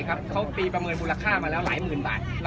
เขาปีประเมินมูลค่ามาแล้วหลายหมื่นบาท